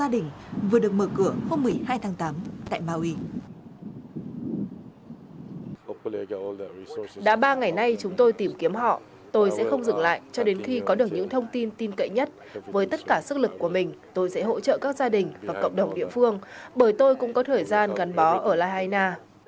đã ba ngày nay chúng tôi tìm kiếm họ tôi sẽ không dừng lại cho đến khi có được những thông tin tin cậy nhất với tất cả sức lực của mình tôi sẽ hỗ trợ các gia đình và cộng đồng địa phương bởi tôi cũng có thời gian gắn bó ở lahaina